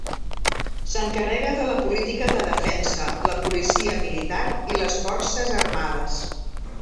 S'encarrega de la política de defensa, la policia militar i les forces armades.